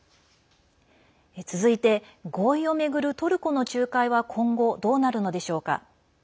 続いて合意を巡るトルコの仲介は今後、どうなるのでしょうか。